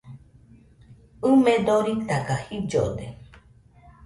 ɨme doritaga jillode